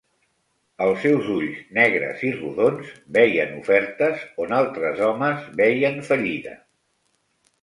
Els seu ulls negres i rodons veien ofertes on altres homes veien fallida.